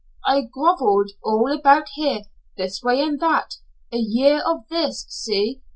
I groveled all about here, this way and that. A year of this, see.